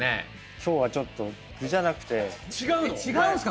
今日はちょっと具じゃなくて違うんすか？